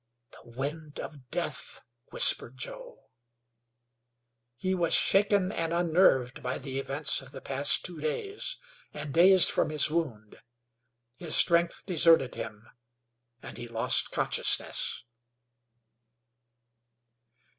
"The Wind of Death," whispered Joe. He was shaken and unnerved by the events of the past two days, and dazed from his wound. His strength deserted him, and he lost consciousness.